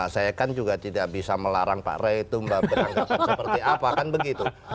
saya kan juga tidak bisa melarang pak ray itu bang ray rangkuti seperti apa kan begitu